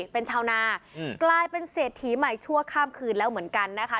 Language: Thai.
เป็นชาวนากลายเป็นเศรษฐีใหม่ชั่วข้ามคืนแล้วเหมือนกันนะคะ